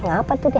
ngapain tuh dia